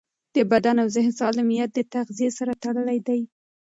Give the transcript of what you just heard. د بدن او ذهن سالمیت د تغذیې سره تړلی دی.